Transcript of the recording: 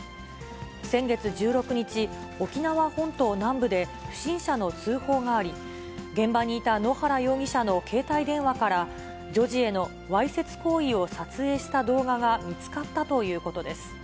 先月１６日、沖縄本島南部で不審者の通報があり、現場にいた野原容疑者の携帯電話から、女児へのわいせつ行為を撮影した動画が見つかったということです。